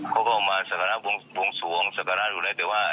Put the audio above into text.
เค้าก็เอามาสักราบวงส่วงสักราบอยู่ในเตว่า